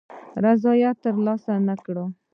رضاییت تر لاسه نه کړ.